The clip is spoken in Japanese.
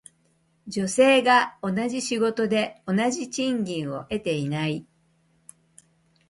女性が同じ仕事で同じ賃金を得ていない。